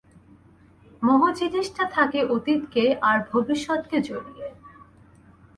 মোহ জিনিসটা থাকে অতীতকে আর ভবিষ্যৎকে জড়িয়ে।